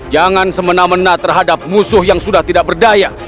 jangan semena mena terhadap musuh yang sudah tidak berdaya